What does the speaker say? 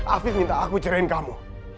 afif minta aku cerahin kamu